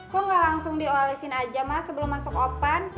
kok enggak langsung diolesin aja mas sebelum masuk oven